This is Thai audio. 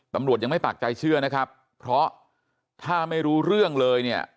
ตำรวจยังไม่ปากใจเชื่อนะครับเพราะถ้าไม่รู้เรื่องเลยเนี่ย